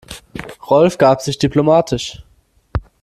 Rolf gab sich diplomatisch.